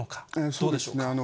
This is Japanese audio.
どうでしょうか。